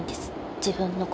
自分のこと。